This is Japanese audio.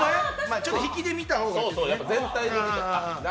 ちょっと引きで見た方がええかも。